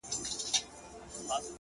• د غوايی چي به یې ږغ وو اورېدلی ,